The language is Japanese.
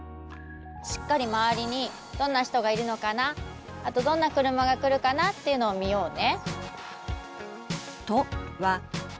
しっかり周りにどんな人がいるのかなあとどんな車が来るかなっていうのを見ようね。